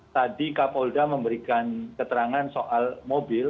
tadi kapolda memberikan keterangan soal mobil